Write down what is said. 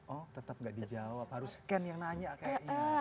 oh tetap gak dijawab harus scan yang nanya kayaknya